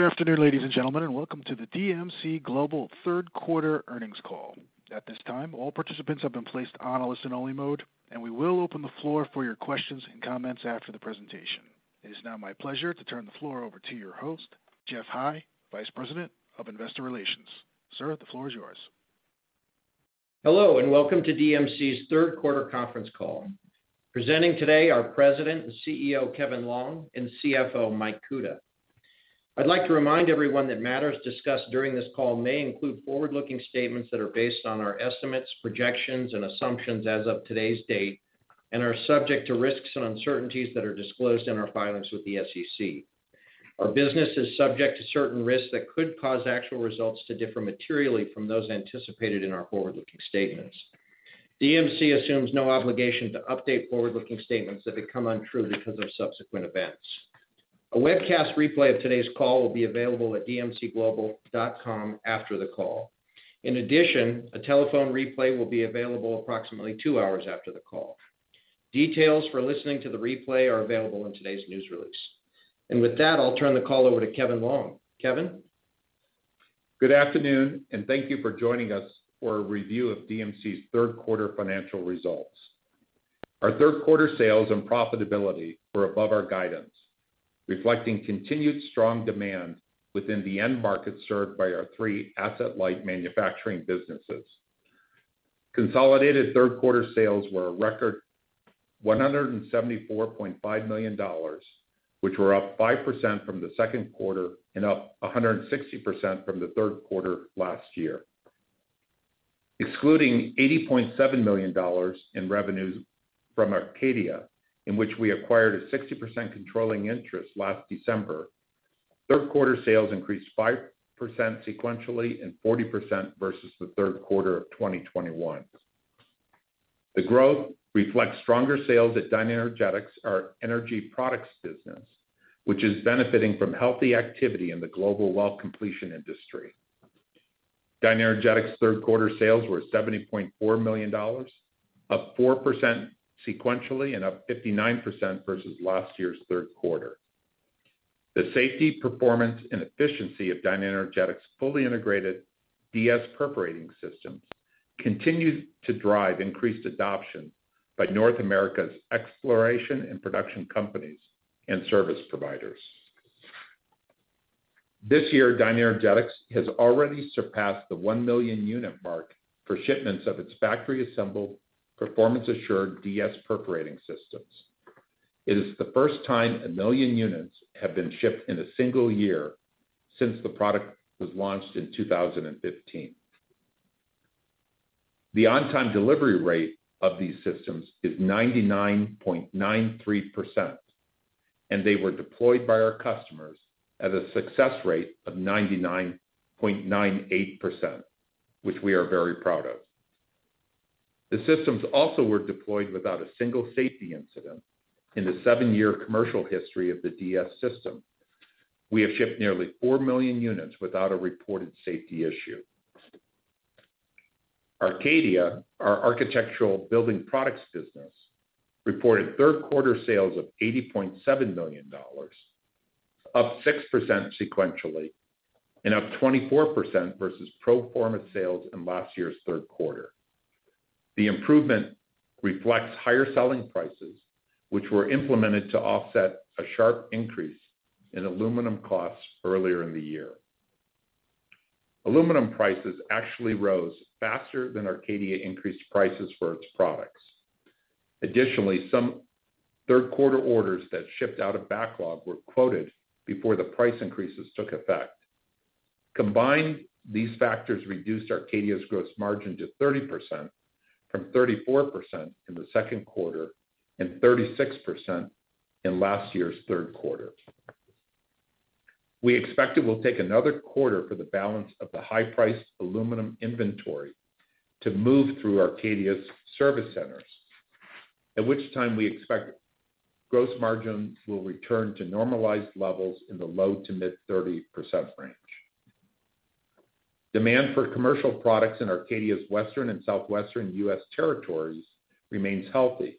Good afternoon, ladies and gentlemen, and welcome to the DMC Global third quarter earnings call. At this time, all participants have been placed on a listen only mode, and we will open the floor for your questions and comments after the presentation. It is now my pleasure to turn the floor over to your host, Geoff High, Vice President of Investor Relations. Sir, the floor is yours. Hello and welcome to DMC's third quarter conference call. Presenting today, our President and CEO, Kevin Longe, and CFO, Mike Kuta. I'd like to remind everyone that matters discussed during this call may include forward-looking statements that are based on our estimates, projections and assumptions as of today's date, and are subject to risks and uncertainties that are disclosed in our filings with the SEC. Our business is subject to certain risks that could cause actual results to differ materially from those anticipated in our forward-looking statements. DMC assumes no obligation to update forward-looking statements that become untrue because of subsequent events. A webcast replay of today's call will be available at dmcglobal.com after the call. In addition, a telephone replay will be available approximately two hours after the call. Details for listening to the replay are available in today's news release. With that, I'll turn the call over to Kevin Longe. Kevin? Good afternoon and thank you for joining us for a review of DMC's third quarter financial results. Our third quarter sales and profitability were above our guidance, reflecting continued strong demand within the end market served by our three asset-light manufacturing businesses. Consolidated third quarter sales were a record $174.5 million, which were up 5% from the second quarter and up 160% from the third quarter last year. Excluding $80.7 million in revenues from Arcadia, in which we acquired a 60% controlling interest last December, third quarter sales increased 5% sequentially and 40% versus the third quarter of 2021. The growth reflects stronger sales at DynaEnergetics, our energy products business, which is benefiting from healthy activity in the global well completion industry. DynaEnergetics third quarter sales were $70.4 million, up 4% sequentially and up 59% versus last year's third quarter. The safety, performance and efficiency of DynaEnergetics' fully integrated DS Perforating Systems continues to drive increased adoption by North America's exploration and production companies and service providers. This year, DynaEnergetics has already surpassed the 1 million unit mark for shipments of its factory assembled performance assured DS Perforating Systems. It is the first time 1 million units have been shipped in a single year since the product was launched in 2015. The on-time delivery rate of these systems is 99.93%, and they were deployed by our customers at a success rate of 99.98%, which we are very proud of. The systems also were deployed without a single safety incident. In the seven-year commercial history of the DS system, we have shipped nearly 4 million units without a reported safety issue. Arcadia, our architectural building products business, reported third quarter sales of $80.7 million, up 6% sequentially and up 24% versus pro forma sales in last year's third quarter. The improvement reflects higher selling prices, which were implemented to offset a sharp increase in aluminum costs earlier in the year. Aluminum prices actually rose faster than Arcadia increased prices for its products. Additionally, some third quarter orders that shipped out of backlog were quoted before the price increases took effect. Combined, these factors reduced Arcadia's gross margin to 30% from 34% in the second quarter and 36% in last year's third quarter. We expect it will take another quarter for the balance of the high price aluminum inventory to move through Arcadia's service centers, at which time we expect gross margins will return to normalized levels in the low- to mid-30% range. Demand for commercial products in Arcadia's Western and Southwestern U.S. territories remains healthy.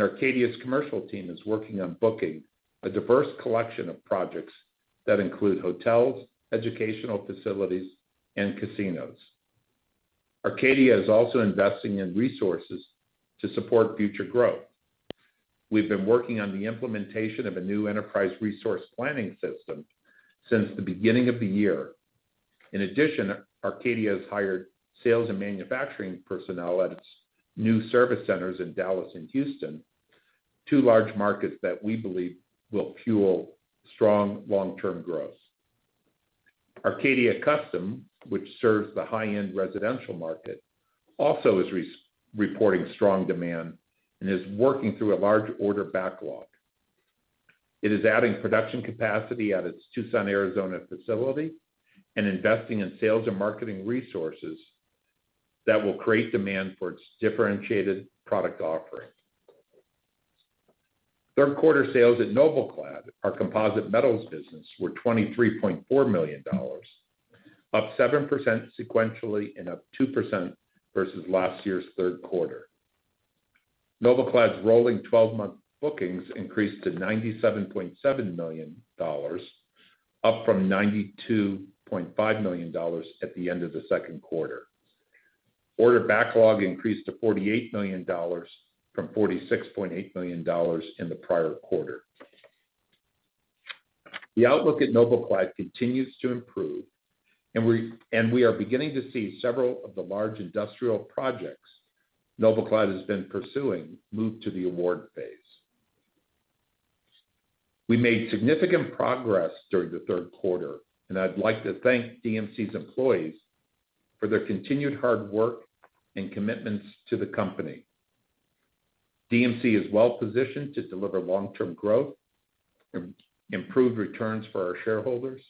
Arcadia's commercial team is working on booking a diverse collection of projects that include hotels, educational facilities and casinos. Arcadia is also investing in resources to support future growth. We've been working on the implementation of a new enterprise resource planning system since the beginning of the year. In addition, Arcadia has hired sales and manufacturing personnel at its new service centers in Dallas and Houston, two large markets that we believe will fuel strong long-term growth. Arcadia Custom, which serves the high-end residential market, also is reporting strong demand and is working through a large order backlog. It is adding production capacity at its Tucson, Arizona facility and investing in sales and marketing resources that will create demand for its differentiated product offering. Third quarter sales at NobelClad, our composite metals business, were $23.4 million, up 7% sequentially and up 2% versus last year's third quarter. NobelClad's rolling twelve-month bookings increased to $97.7 million, up from $92.5 million at the end of the second quarter. Order backlog increased to $48 million from $46.8 million in the prior quarter. The outlook at NobelClad continues to improve, and we are beginning to see several of the large industrial projects NobelClad has been pursuing move to the award phase. We made significant progress during the third quarter, and I'd like to thank DMC's employees for their continued hard work and commitments to the company. DMC is well-positioned to deliver long-term growth, improved returns for our shareholders,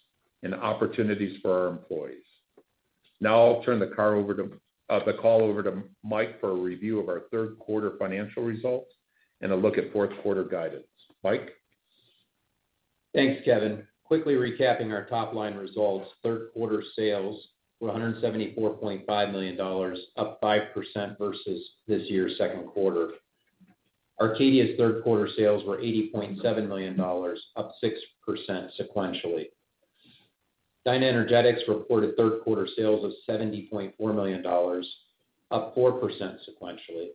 and opportunities for our employees. Now I'll turn the call over to Mike for a review of our third quarter financial results and a look at fourth quarter guidance. Mike? Thanks, Kevin. Quickly recapping our top-line results. Third quarter sales were $174.5 million, up 5% versus this year's second quarter. Arcadia's third quarter sales were $80.7 million, up 6% sequentially. DynaEnergetics reported third quarter sales of $70.4 million, up 4% sequentially.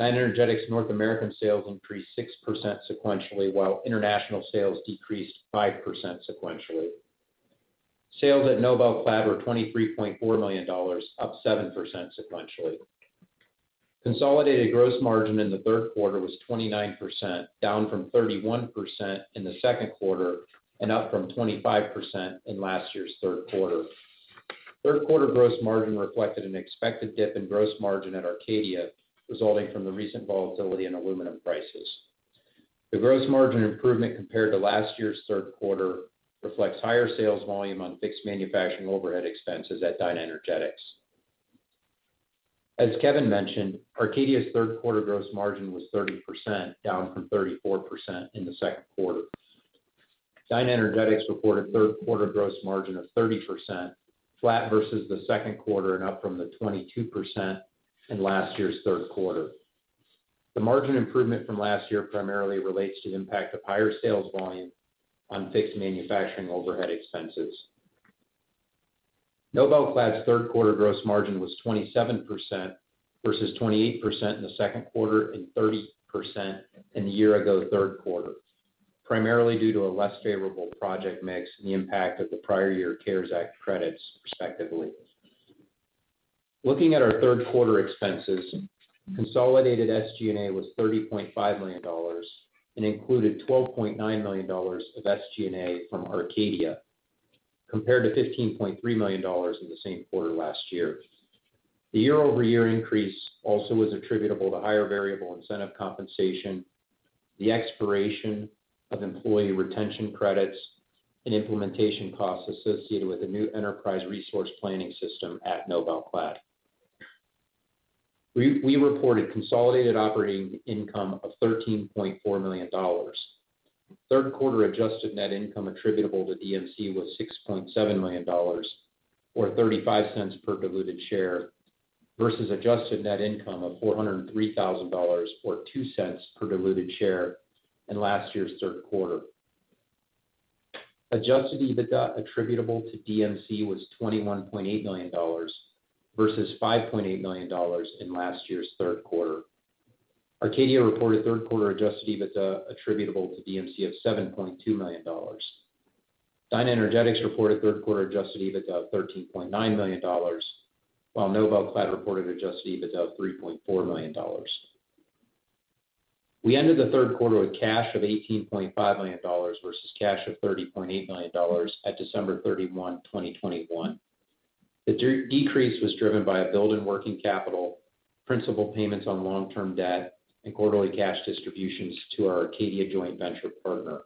DynaEnergetics North American sales increased 6% sequentially, while international sales decreased 5% sequentially. Sales at NobelClad were $23.4 million, up 7% sequentially. Consolidated gross margin in the third quarter was 29%, down from 31% in the second quarter and up from 25% in last year's third quarter. Third quarter gross margin reflected an expected dip in gross margin at Arcadia, resulting from the recent volatility in aluminum prices. The gross margin improvement compared to last year's third quarter reflects higher sales volume on fixed manufacturing overhead expenses at DynaEnergetics. As Kevin mentioned, Arcadia's third quarter gross margin was 30%, down from 34% in the second quarter. DynaEnergetics reported third quarter gross margin of 30%, flat versus the second quarter and up from the 22% in last year's third quarter. The margin improvement from last year primarily relates to the impact of higher sales volume on fixed manufacturing overhead expenses. NobelClad's third quarter gross margin was 27% versus 28% in the second quarter and 30% in the year ago third quarter, primarily due to a less favorable project mix and the impact of the prior year CARES Act credits, respectively. Looking at our third quarter expenses, consolidated SG&A was $30.5 million and included $12.9 million of SG&A from Arcadia, compared to $15.3 million in the same quarter last year. The year-over-year increase also was attributable to higher variable incentive compensation, the expiration of employee retention credits, and implementation costs associated with the new enterprise resource planning system at NobelClad. We reported consolidated operating income of $13.4 million. Third quarter adjusted net income attributable to DMC was $6.7 million, or $0.35 per diluted share, versus adjusted net income of $403,000, or $0.02 per diluted share in last year's third quarter. Adjusted EBITDA attributable to DMC was $21.8 million, versus $5.8 million in last year's third quarter. Arcadia reported third quarter adjusted EBITDA attributable to DMC of $7.2 million. DynaEnergetics reported third quarter adjusted EBITDA of $13.9 million, while NobelClad reported adjusted EBITDA of $3.4 million. We ended the third quarter with cash of $18.5 million versus cash of $30.8 million at December 31, 2021. The decrease was driven by a build in working capital, principal payments on long-term debt, and quarterly cash distributions to our Arcadia joint venture partner.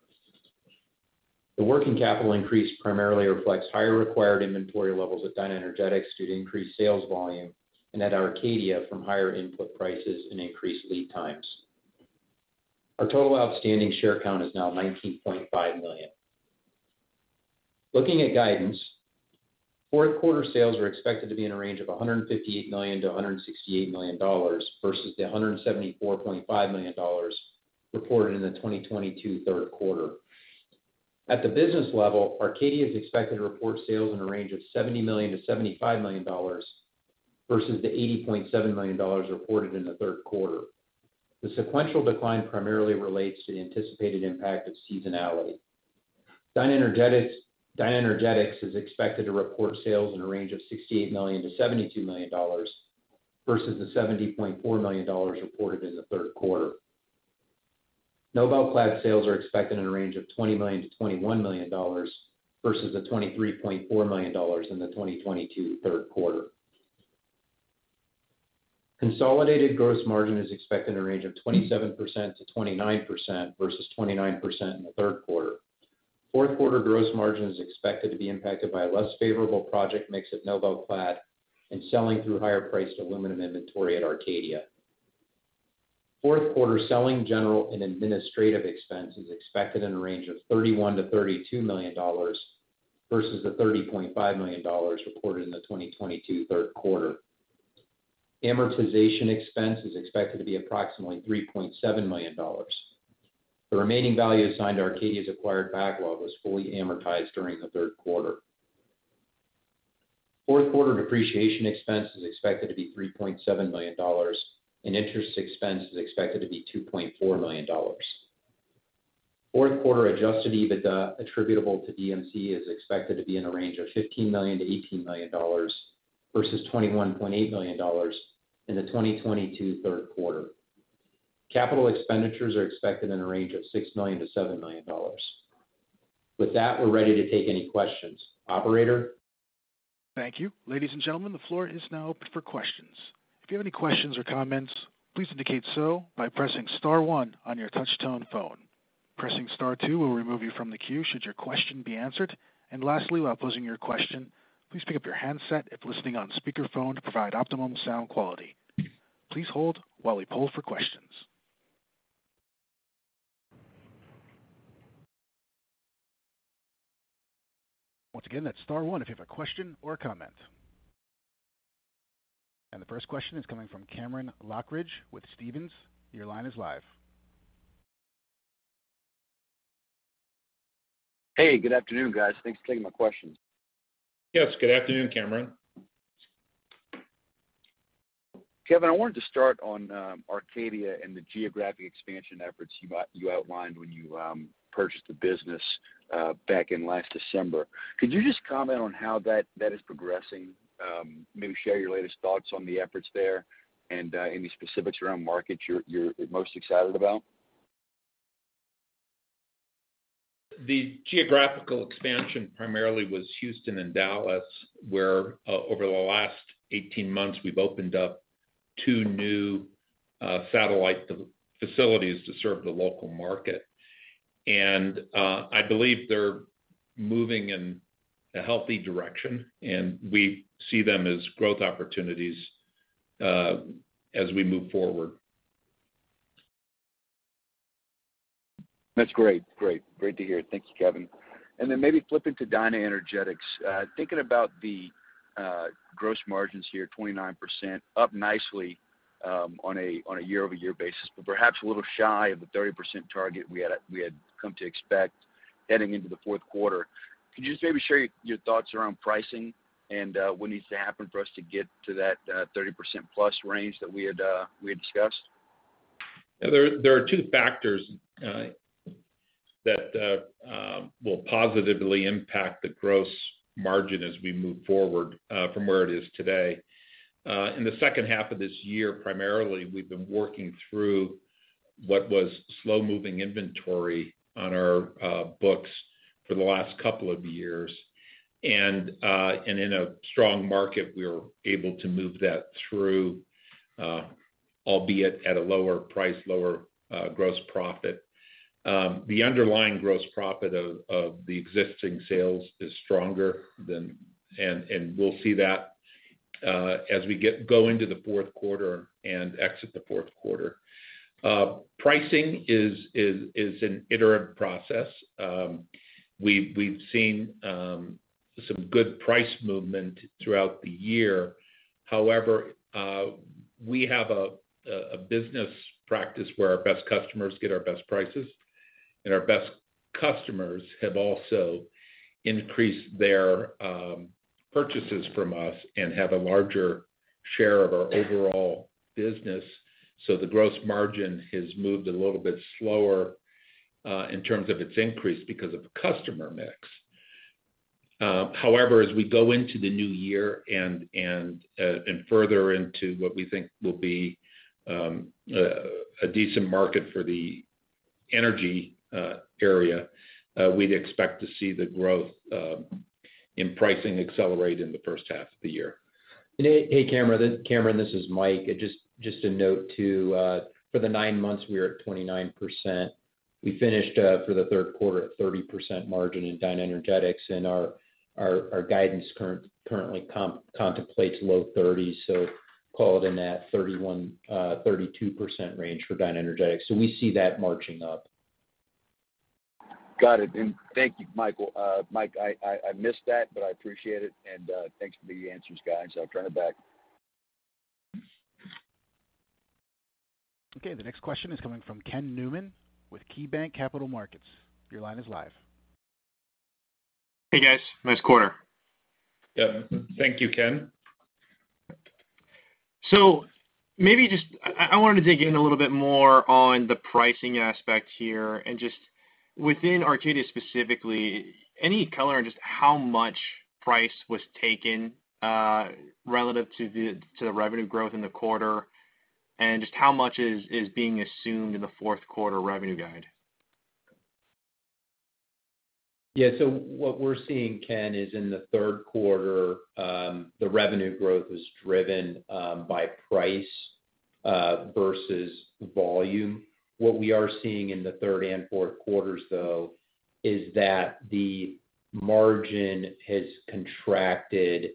The working capital increase primarily reflects higher required inventory levels at DynaEnergetics due to increased sales volume and at Arcadia from higher input prices and increased lead times. Our total outstanding share count is now 19.5 million. Looking at guidance, fourth quarter sales are expected to be in a range of $158 million to $168 million versus the $174.5 million reported in the 2022 third quarter. At the business level, Arcadia is expected to report sales in a range of $70 million to $75 million versus the $80.7 million reported in the third quarter. The sequential decline primarily relates to the anticipated impact of seasonality. DynaEnergetics is expected to report sales in a range of $68 million to $72 million versus the $70.4 million reported in the third quarter. NobelClad sales are expected in a range of $20 million to $21 million versus the $23.4 million in the 2022 third quarter. Consolidated gross margin is expected in a range of 27% to 29% versus 29% in the third quarter. Fourth quarter gross margin is expected to be impacted by a less favorable project mix at NobelClad and selling through higher-priced aluminum inventory at Arcadia. Fourth quarter selling general and administrative expense is expected in a range of $31 million to $32 million. Versus the $30.5 million reported in the 2022 third quarter. Amortization expense is expected to be approximately $3.7 million. The remaining value assigned to Arcadia's acquired backlog was fully amortized during the third quarter. Fourth quarter depreciation expense is expected to be $3.7 million, and interest expense is expected to be $2.4 million. Fourth quarter adjusted EBITDA attributable to DMC is expected to be in a range of $15 million to $18 million versus $21.8 million in the 2022 third quarter. Capital expenditures are expected in a range of $6.0 million to $7.0 million. With that, we're ready to take any questions. Operator? Thank you. Ladies and gentlemen, the floor is now open for questions. If you have any questions or comments, please indicate so by pressing star one on your touch-tone phone. Pressing star two will remove you from the queue should your question be answered. Lastly, while posing your question, please pick up your handset if listening on speakerphone to provide optimum sound quality. Please hold while we poll for questions. Once again, that's star one if you have a question or a comment. The first question is coming from Cameron Lochridge with Stephens. Your line is live. Hey, good afternoon, guys. Thanks for taking my questions. Yes, good afternoon, Cameron. Kevin, I wanted to start on Arcadia and the geographic expansion efforts you outlined when you purchased the business back in last December. Could you just comment on how that is progressing? Maybe share your latest thoughts on the efforts there and any specifics around markets you're most excited about? The geographical expansion primarily was Houston and Dallas, where, over the last 18 months, we've opened up two new, satellite facilities to serve the local market. I believe they're moving in a healthy direction, and we see them as growth opportunities, as we move forward. That's great. Great to hear. Thank you, Kevin. Then maybe flipping to DynaEnergetics, thinking about the gross margins here, 29%, up nicely on a year-over-year basis, but perhaps a little shy of the 30% target we had come to expect heading into the fourth quarter. Could you just maybe share your thoughts around pricing and what needs to happen for us to get to that 30% plus range that we had discussed? There are two factors that will positively impact the gross margin as we move forward from where it is today. In the second half of this year, primarily, we've been working through what was slow-moving inventory on our books for the last couple of years. In a strong market, we were able to move that through, albeit at a lower price, lower gross profit. The underlying gross profit of the existing sales is stronger than and we'll see that as we get going to the fourth quarter and exit the fourth quarter. Pricing is an interim process. We've seen some good price movement throughout the year. However, we have a business practice where our best customers get our best prices, and our best customers have also increased their purchases from us and have a larger share of our overall business. The gross margin has moved a little bit slower in terms of its increase because of customer mix. However, as we go into the new year and further into what we think will be a decent market for the energy area, we'd expect to see the growth in pricing accelerate in the first half of the year. Hey, Cameron. Cameron, this is Mike. Just to note too, for the nine months, we are at 29%. We finished for the third quarter at 30% margin in DynaEnergetics, and our guidance currently contemplates low 30s. Call it in that 31% to 32% range for DynaEnergetics. We see that marching up. Got it. Thank you, Mike. I missed that, but I appreciate it. Thanks for the answers, guys. I'll turn it back. Okay. The next question is coming from Ken Newman with KeyBanc Capital Markets. Your line is live. Hey, guys. Nice quarter. Yeah. Thank you, Ken. Maybe I wanted to dig in a little bit more on the pricing aspect here and just within Arcadia specifically, any color on just how much price was taken relative to the revenue growth in the quarter and just how much is being assumed in the fourth quarter revenue guide? What we're seeing, Ken, is in the third quarter, the revenue growth is driven by price versus volume. What we are seeing in the third and fourth quarters, though, is that the margin has contracted.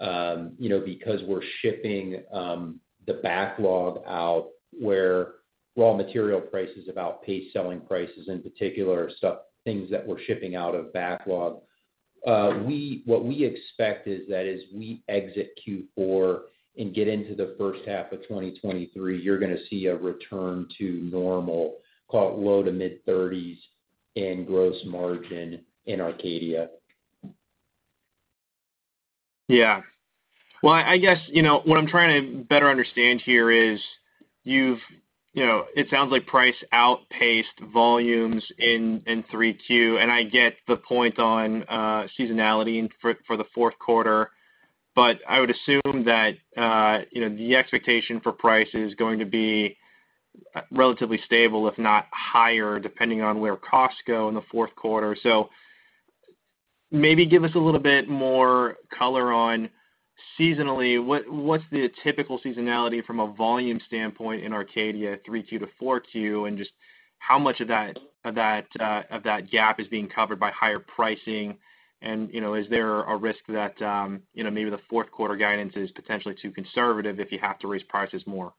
You know, because we're shipping the backlog out where raw material prices have outpaced selling prices, in particular, so things that we're shipping out of backlog. What we expect is that as we exit Q4 and get into the first half of 2023, you're gonna see a return to normal, call it low- to mid-30s% in gross margin in Arcadia. Yeah. Well, I guess, you k now, what I'm trying to better understand here is. You know, it sounds like price outpaced volumes in three Q, and I get the point on seasonality for the fourth quarter. I would assume that, you know, the expectation for price is going to be relatively stable, if not higher, depending on where costs go in the fourth quarter. Maybe give us a little bit more color on seasonally, what's the typical seasonality from a volume standpoint in Arcadia three Q to four Q, and just how much of that gap is being covered by higher pricing? You know, is there a risk that, you know, maybe the fourth quarter guidance is potentially too conservative if you have to raise prices more?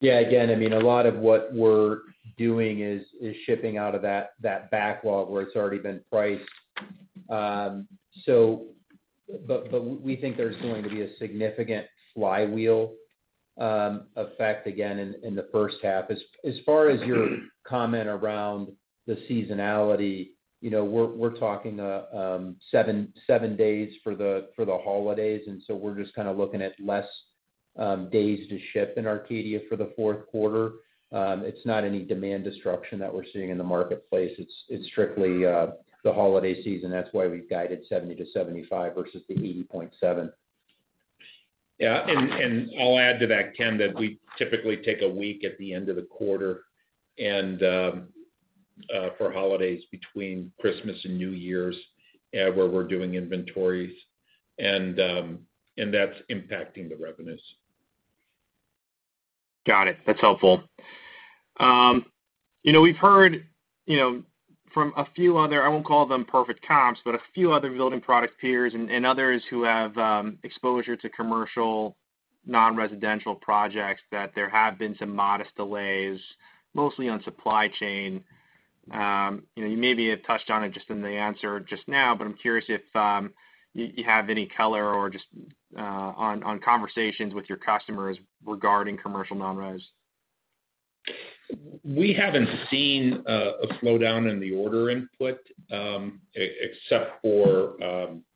Yeah. Again, I mean, a lot of what we're doing is shipping out of that backlog where it's already been priced. We think there's going to be a significant flywheel effect again in the first half. As far as your comment around the seasonality, you know, we're talking seven days for the holidays, and so we're just kinda looking at less days to ship in Arcadia for the fourth quarter. It's not any demand destruction that we're seeing in the marketplace. It's strictly the holiday season. That's why we've guided $70 million to $75 million versus the $80.7 million. Yeah. I'll add to that, Ken, that we typically take a week at the end of the quarter and for holidays between Christmas and New Year's, where we're doing inventories and that's impacting the revenues. Got it. That's helpful. You know, we've heard, you know, from a few other, I won't call them perfect comps, but a few other building product peers and others who have exposure to commercial non-residential projects, that there have been some modest delays, mostly on supply chain. You know, you maybe have touched on it just in the answer just now, but I'm curious if you have any color or just on conversations with your customers regarding commercial non-res. We haven't seen a slowdown in the order input, except for,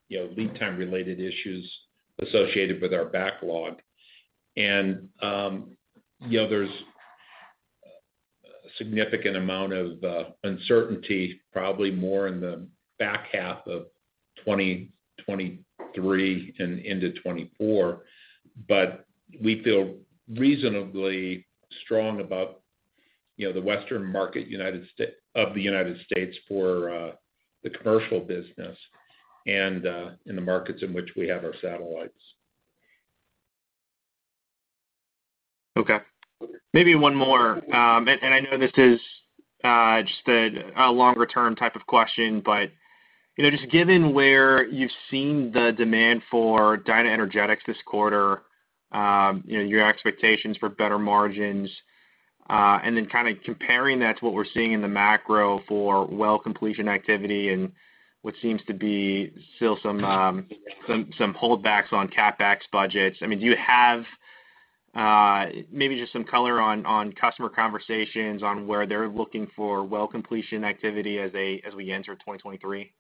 you know, lead time related issues associated with our backlog. You know, there's a significant amount of uncertainty, probably more in the back half of 2023 and into 2024, but we feel reasonably strong about, you know, the Western market of the United States for the commercial business and in the markets in which we have our satellites. Okay. Maybe one more. And I know this is just a longer term type of question, but you know, just given where you've seen the demand for DynaEnergetics this quarter, you know, your expectations for better margins, and then kinda comparing that to what we're seeing in the macro for well completion activity and what seems to be still some holdbacks on CapEx budgets, I mean, do you have maybe just some color on customer conversations on where they're looking for well completion activity as we enter 2023?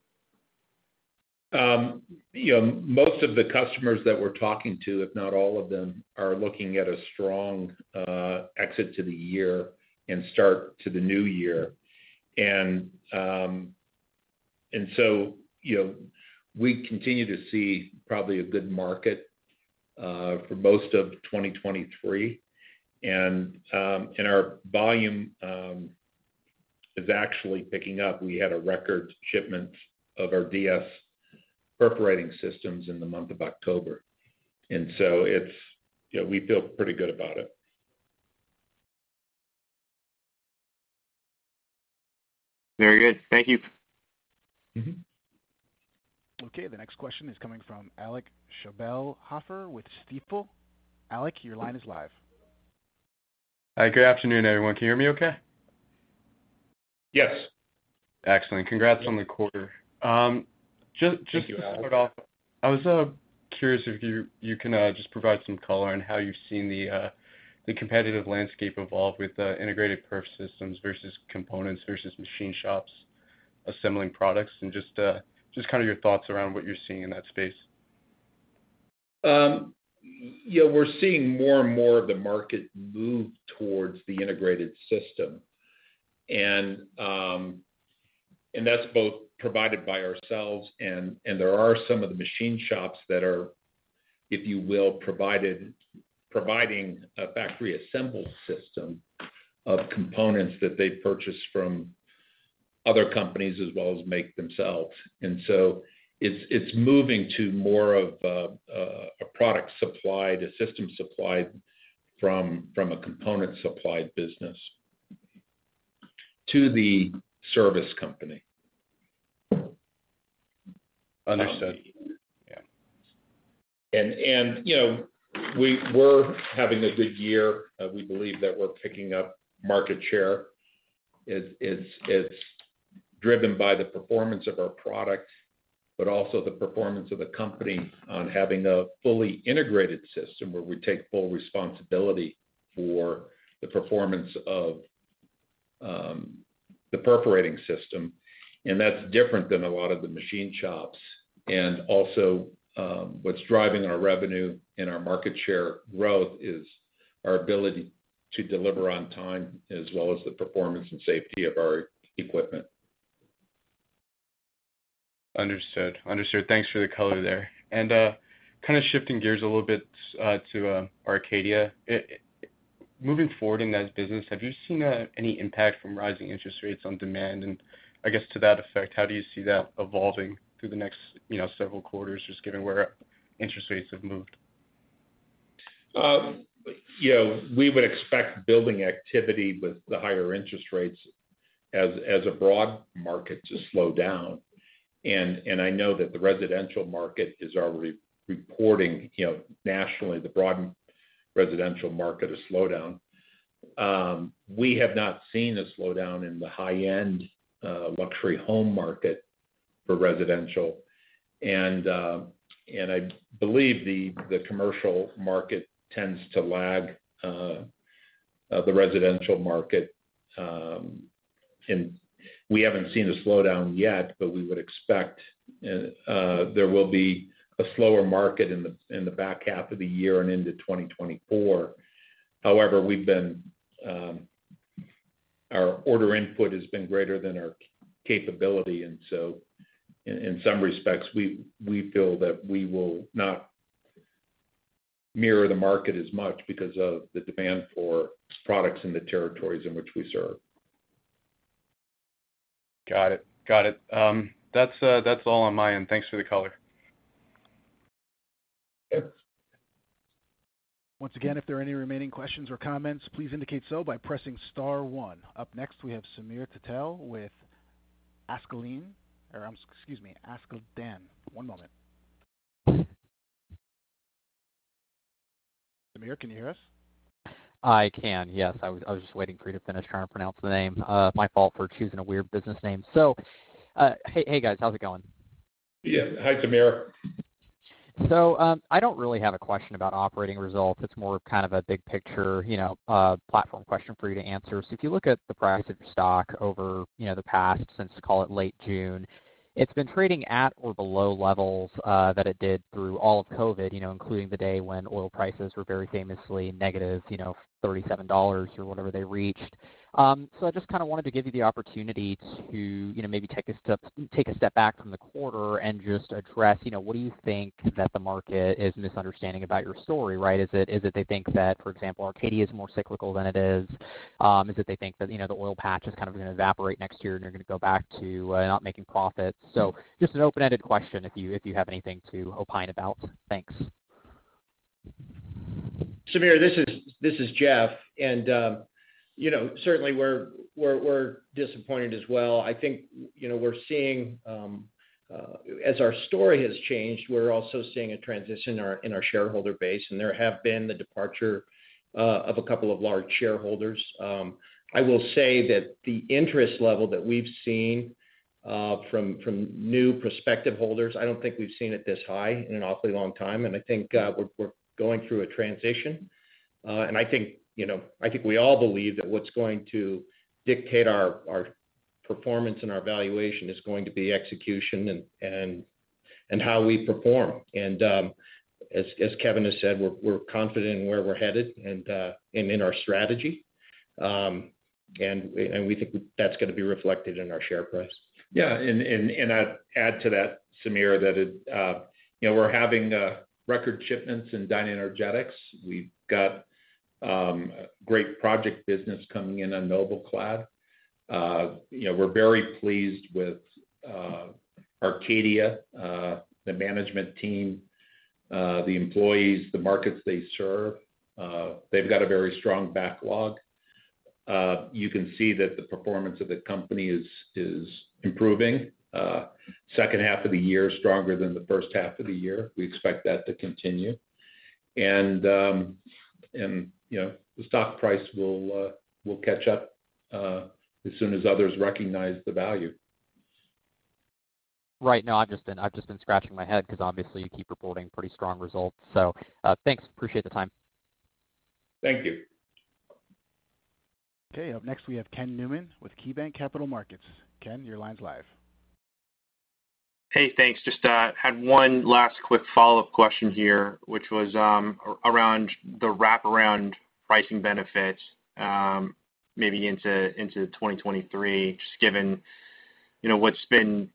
You know, most of the customers that we're talking to, if not all of them, are looking at a strong exit to the year and start to the new year. You know, we continue to see probably a good market for most of 2023. Our volume is actually picking up. We had a record shipment of our DS perforating systems in the month of October. You know, we feel pretty good about it. Very good. Thank you. Okay. The next question is coming from Alec Scheibelhoffer with Stifel. Alec, your line is live. Hi. Good afternoon, everyone. Can you hear me okay? Yes. Excellent. Congrats on the quarter. Thank you, Alec. To start off, I was curious if you can just provide some color on how you've seen the competitive landscape evolve with the integrated perf systems versus components versus machine shops assembling products, and just kind of your thoughts around what you're seeing in that space. You know, we're seeing more and more of the market move towards the integrated system and that's both provided by ourselves and there are some of the machine shops that are, if you will, providing a factory assembled system of components that they purchase from other companies as well as make themselves. It's moving to more of a product supply to system supply from a component supply business to the service company. Understood. Yeah. You know, we're having a good year. We believe that we're picking up market share. It's driven by the performance of our product, but also the performance of the company on having a fully integrated system where we take full responsibility for the performance of the perforating system, and that's different than a lot of the machine shops. Also, what's driving our revenue and our market share growth is our ability to deliver on time, as well as the performance and safety of our equipment. Understood. Thanks for the color there. Kind of shifting gears a little bit, to Arcadia. Moving forward in that business, have you seen any impact from rising interest rates on demand? I guess to that effect, how do you see that evolving through the next, you know, several quarters, just given where interest rates have moved? You know, we would expect building activity with the higher interest rates as a broad market to slow down. I know that the residential market is already reporting, you know, nationally the broad residential market a slowdown. We have not seen a slowdown in the high-end, luxury home market for residential. I believe the commercial market tends to lag the residential market. We haven't seen a slowdown yet, but we would expect there will be a slower market in the back half of the year and into 2024. However, our order input has been greater than our capability, and so in some respects, we feel that we will not mirror the market as much because of the demand for products in the territories in which we serve. Got it. That's all on my end. Thanks for the color. Yes. Once again, if there are any remaining questions or comments, please indicate so by pressing star one. Up next, we have Samir Patel with Askeladden. One moment. Samir, can you hear us? I can, yes. I was just waiting for you to finish trying to pronounce the name. My fault for choosing a weird business name. Hey guys, how's it going? Yeah. Hi, Samir. I don't really have a question about operating results. It's more kind of a big picture, you know, platform question for you to answer. If you look at the price of stock over, you know, the past since, call it, late June, it's been trading at or below levels that it did through all of COVID, you know, including the day when oil prices were very famously negative $37 or whatever they reached. I just kind of wanted to give you the opportunity to, you know, maybe take a step back from the quarter and just address, you know, what do you think that the market is misunderstanding about your story, right? Is it they think that, for example, Arcadia is more cyclical than it is? Is it they think that, you know, the oil patch is kind of gonna evaporate next year and you're gonna go back to not making profits? Just an open-ended question if you have anything to opine about. Thanks. Samir, this is Geoff. You know, certainly we're disappointed as well. I think, you know, we're seeing. As our story has changed, we're also seeing a transition in our shareholder base, and there have been the departure of a couple of large shareholders. I will say that the interest level that we've seen from new prospective holders, I don't think we've seen it this high in an awfully long time, and I think we're going through a transition. I think, you know, I think we all believe that what's going to dictate our performance and our valuation is going to be execution and how we perform. As Kevin has said, we're confident in where we're headed and in our strategy. We think that's gonna be reflected in our share price. Yeah. I'd add to that, Samir, that you know, we're having record shipments in DynaEnergetics. We've got great project business coming in on NobelClad. You know, we're very pleased with Arcadia, the management team, the employees, the markets they serve. They've got a very strong backlog. You can see that the performance of the company is improving. Second half of the year is stronger than the first half of the year. We expect that to continue. You know, the stock price will catch up as soon as others recognize the value. Right. No, I've just been scratching my head 'cause obviously you keep reporting pretty strong results. Thanks. Appreciate the time. Thank you. Okay. Up next, we have Ken Newman with KeyBanc Capital Markets. Ken, your line's live. Hey, thanks. Just had one last quick follow-up question here, which was around the wraparound pricing benefits, maybe into 2023, just given, you know, what's been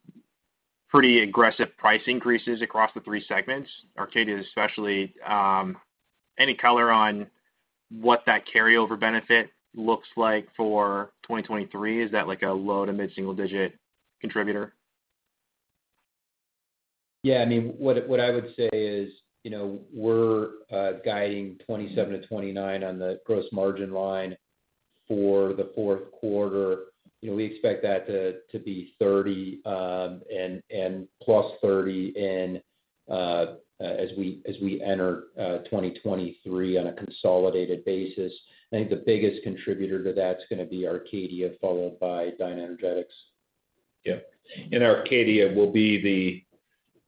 pretty aggressive price increases across the three segments, Arcadia especially. Any color on what that carryover benefit looks like for 2023? Is that like a low- to mid-single-digit contributor? Yeah. I mean, what I would say is, you know, we're guiding 27% to 29% on the gross margin line for the fourth quarter. You know, we expect that to be 30% and 30%-plus in as we enter 2023 on a consolidated basis. I think the biggest contributor to that's gonna be Arcadia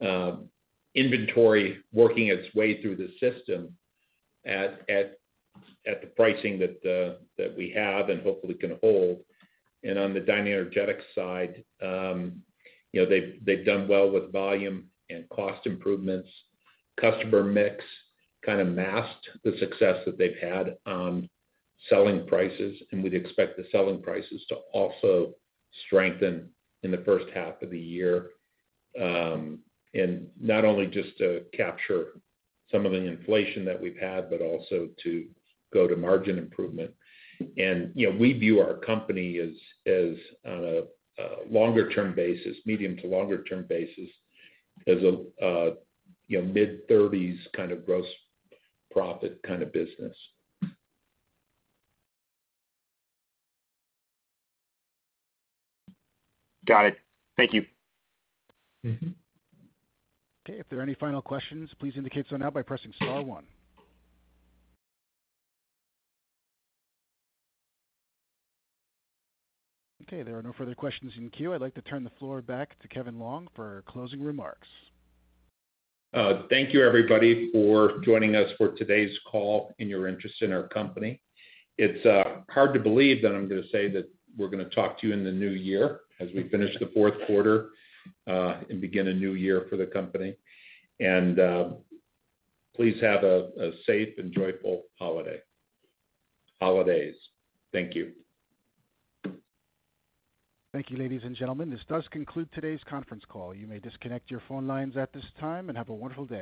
followed by DynaEnergetics. Yeah. In Arcadia, it will be the inventory working its way through the system at the pricing that we have and hopefully can hold. On the DynaEnergetics side, you know, they've done well with volume and cost improvements. Customer mix kinda masked the success that they've had on selling prices, and we'd expect the selling prices to also strengthen in the first half of the year. Not only just to capture some of the inflation that we've had, but also to go to margin improvement. You know, we view our company as on a longer term basis, medium to longer term basis as a mid-thirties kind of gross profit kind of business. Got it. Thank you. Okay, if there are any final questions, please indicate so now by pressing star one. Okay, there are no further questions in queue. I'd like to turn the floor back to Kevin Longe for closing remarks. Thank you, everybody, for joining us for today's call and your interest in our company. It's hard to believe that I'm gonna say that we're gonna talk to you in the new year as we finish the fourth quarter and begin a new year for the company. Please have a safe and joyful holidays. Thank you. Thank you, ladies and gentlemen. This does conclude today's conference call. You may disconnect your phone lines at this time, and have a wonderful day.